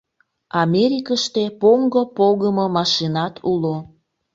Америкыште поҥго погымо машинат уло.